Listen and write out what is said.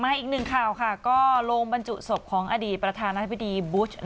อีกหนึ่งข่าวค่ะก็ลงบรรจุศพของอดีตประธานาธิบดีบุช